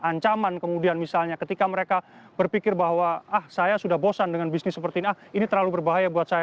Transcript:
ancaman kemudian misalnya ketika mereka berpikir bahwa ah saya sudah bosan dengan bisnis seperti ini ah ini terlalu berbahaya buat saya